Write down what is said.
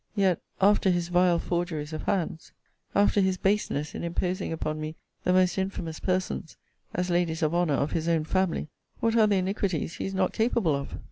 Yet, after his vile forgeries of hands after his baseness in imposing upon me the most infamous persons as ladies of honour of his own family what are the iniquities he is not capable of?